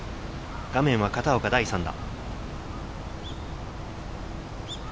画面は片岡、第３打。